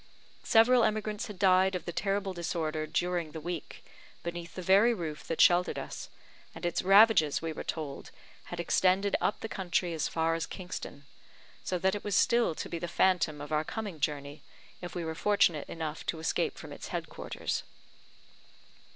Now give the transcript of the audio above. Several emigrants had died of the terrible disorder during the week, beneath the very roof that sheltered us, and its ravages, we were told, had extended up the country as far as Kingston; so that it was still to be the phantom of our coming journey, if we were fortunate enough to escape from its head quarters.